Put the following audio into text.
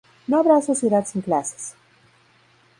No habrá sociedad sin clases.